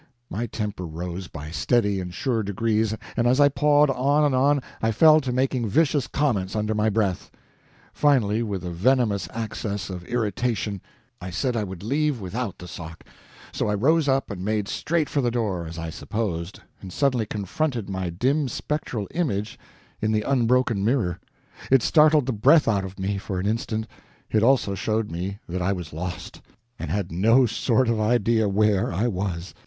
My temper rose, by steady and sure degrees, and as I pawed on and on, I fell to making vicious comments under my breath. Finally, with a venomous access of irritation, I said I would leave without the sock; so I rose up and made straight for the door as I supposed and suddenly confronted my dim spectral image in the unbroken mirror. It startled the breath out of me, for an instant; it also showed me that I was lost, and had no sort of idea where I was.